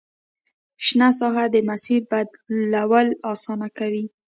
شنه ساحه د مسیر بدلول اسانه کوي